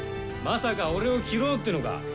まさか俺を斬ろうっていうのか？